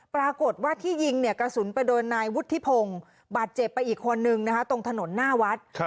ปรากฏว่าที่ยิงเนี่ยกระสุนไปโดนนายวุฒิพงศ์บาดเจ็บไปอีกคนนึงนะคะตรงถนนหน้าวัด